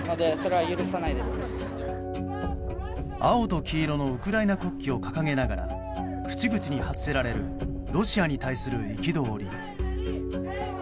青と黄色のウクライナ国旗を掲げながら口々に発せられるロシアに対する憤り。